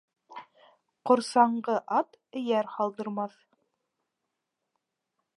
Ҡорсаңғы ат эйәр һалдырмаҫ.